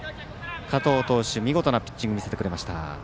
加藤投手、見事なピッチングを見せてくれました。